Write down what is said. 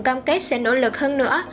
cam kết sẽ nỗ lực hơn nữa